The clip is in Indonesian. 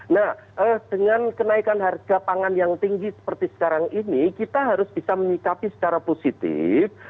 nah dengan kenaikan harga pangan yang tinggi seperti sekarang ini kita harus bisa menyikapi secara positif